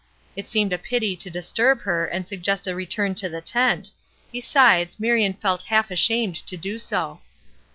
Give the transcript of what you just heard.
It seemed a pity to disturb her and suggest a return to the tent; besides, Marion felt half ashamed to do so.